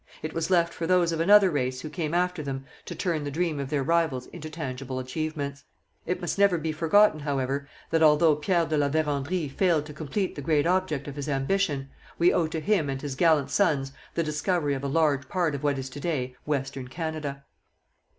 It was left for those of another race who came after them to turn the dream of their rivals into tangible achievements. It must never be forgotten, however, that, although Pierre de La Vérendrye failed to complete the great object of his ambition, we owe to him and his gallant sons the discovery of a large part of what is to day Western Canada.